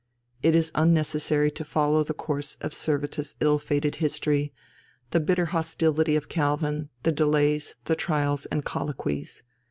It is unnecessary to follow the course of Servetus' ill fated history, the bitter hostility of Calvin, the delays, the trials and colloquies.